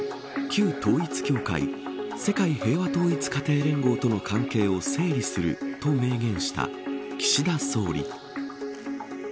旧統一教会世界平和統一家庭連合との関係を整理すると明言した岸田総理。